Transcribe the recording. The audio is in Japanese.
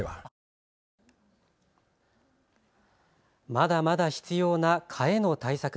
まだまだ必要な蚊への対策。